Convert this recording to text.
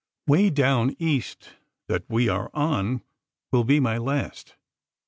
"Way Down East" that we are on, will be my last.